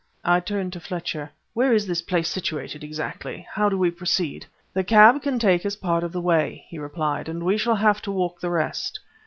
I turned to Fletcher. "Where is this place situated, exactly? How do we proceed?" "The cab can take us part of the way," he replied, "and we shall have to walk the rest.